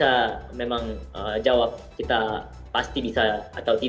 dan mereka akan lebih baik